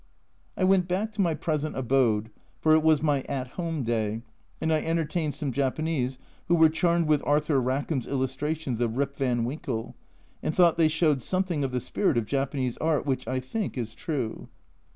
I went back to my present abode, for it was my At Home day, and I entertained some Japanese, who were charmed with Arthur Rackham's illustrations of Rip Van Winkle, and thought they showed some thing of the spirit of Japanese art, which I think is true.